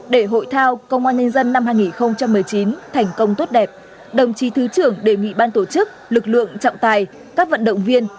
để hội thao công an nhân dân năm hai nghìn một mươi chín thành công tốt đẹp đồng chí thứ trưởng đề nghị ban tổ chức lực lượng trọng tài các vận động viên